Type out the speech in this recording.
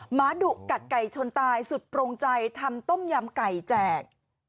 หมาดุกัดไก่ชนตายสุดโปรงใจทำต้มยำไก่แจก